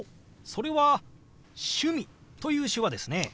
それは「趣味」という手話ですね。